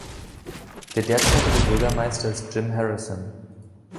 Der derzeitige Bürgermeister ist Jim Harrison.